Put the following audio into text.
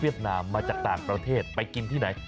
นามมาจากต่างประเทศไปกินที่ไหน